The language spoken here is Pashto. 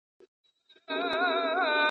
دیني پوهه د هر ځوان لپاره خورا مهمه ده.